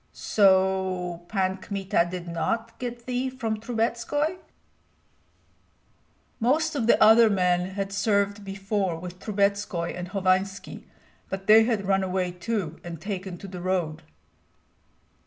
"So Pan Kmita did not get thee from Trubetskoi?" "Most of the other men had served before with Trubetskoi and Hovanski, but they had run away too and taken to the road."